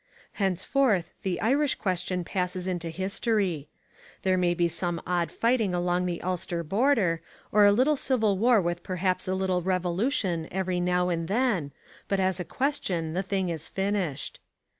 Henceforth the Irish question passes into history. There may be some odd fighting along the Ulster border, or a little civil war with perhaps a little revolution every now and then, but as a question the thing is finished.